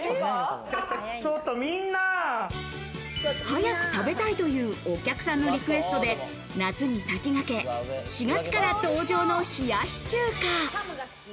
早く食べたいというお客さんのリクエストで夏に先駆け４月から登場の冷やし中華。